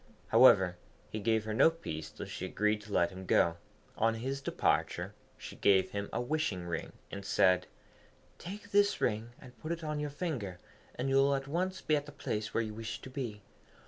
However, he gave her no peace till she agreed to let him go. On his departure she gave him a wishing ring, and said, 'Take this ring, and put it on your finger, and you will at once be at the place where you wish to be.